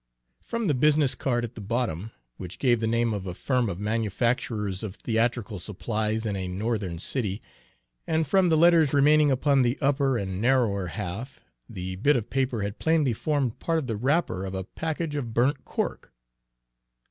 From the business card at the bottom, which gave the name, of a firm of manufacturers of theatrical supplies in a Northern city, and from the letters remaining upon the upper and narrower half, the bit of paper had plainly formed part of the wrapper of a package of burnt cork.